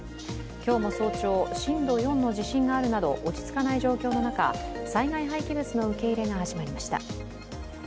今日も早朝、震度４の地震があるなど、落ち着かない状況の中、災害廃棄物の受け入れが始まりました。